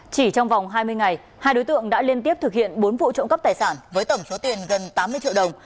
chỉ trong vòng hai mươi ngày hai đối tượng đã liên tiếp thực hiện bốn vụ trộm cắp tài sản với tổng số tiền gần tám mươi triệu đồng